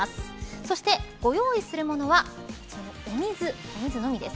そして、ご用意するものはお水のみです。